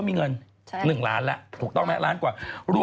มี๓ไล่ล่ะก็ล้านแล้ว